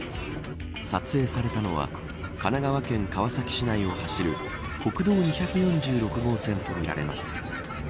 撮影されたのは神奈川県川崎市内を走る国道２４６号線とみられます。